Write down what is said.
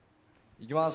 いきます。